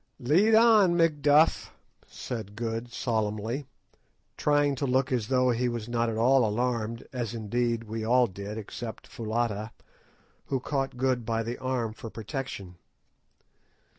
"Lead on, Macduff," said Good solemnly, trying to look as though he was not at all alarmed, as indeed we all did except Foulata, who caught Good by the arm for protection.